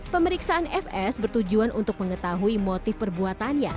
pemeriksaan fs bertujuan untuk mengetahui motif perbuatannya